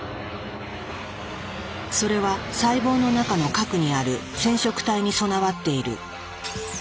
それは細胞の中の核にある染色体に備わっている。